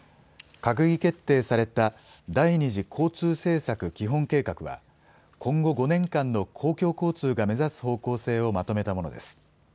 閣議決定された第２次交通政策基本計画は、今後５年間の公共交通が目指す方向性をまとめたものです。